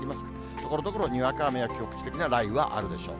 ところどころにわか雨や局地的な雷雨はあるでしょう。